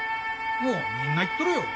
もうみんな言っとるよ。